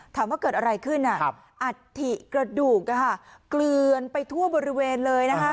ถามว่าเกิดอะไรขึ้นอัฐิกระดูกเกลือนไปทั่วบริเวณเลยนะคะ